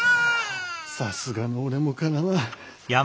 さすがの俺もかなわん。